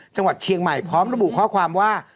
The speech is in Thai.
จังหวัดเชียงใหม่พร้อมระบุข้อความว่า